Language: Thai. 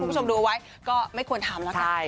คุณผู้ชมดูเอาไว้ก็ไม่ควรทำแล้วกัน